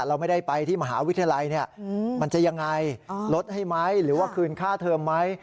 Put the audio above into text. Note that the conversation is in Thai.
เราไม่ได้ไปที่มหาวิทยาลัยมันจะยังไงลดให้ไหมหรือว่าคืนค่าเทอมไหม